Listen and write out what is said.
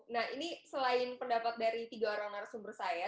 nah ini selain pendapat dari tiga orang narasumber saya